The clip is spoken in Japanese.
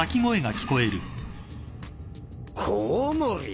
コウモリ？